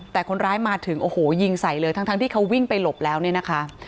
แต่คนร้ายมาถึงโอ้โหยิงใส่เลยทั้งที่เขาวิ่งไปหลบแล้วเนี่ยนะคะ